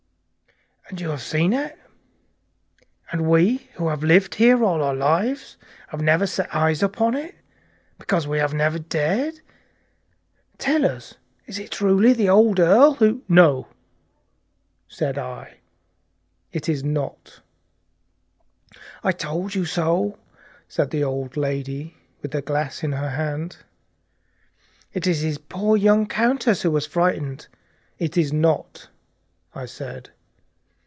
"And you have seen it. And we who have been here all our lives have never set eyes upon it. Because we have never dared. Tell us, is it truly the old earl who " "No," said I, "it is not." "I told you so," said the old lady, with the glass in her hand. "It is his poor young countess who was frightened " "It is not," I said.